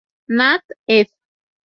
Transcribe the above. Nat., ed.